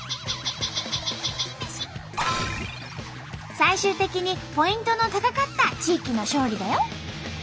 最終的にポイントの高かった地域の勝利だよ。